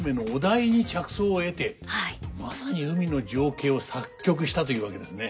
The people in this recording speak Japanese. まさに海の情景を作曲したというわけですね。